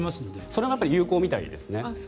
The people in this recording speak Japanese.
それがやっぱり有効みたいですね。